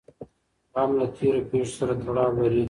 غم له تېرو پېښو سره تړاو لري.